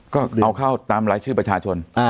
ก็เอาเข้าตามรายชื่อประชาชน